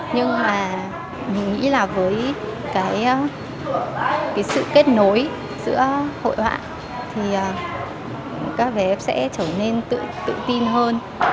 nhưng mà mình nghĩ là với cái sự kết nối giữa hội họa thì các bé sẽ trở nên tự tin hơn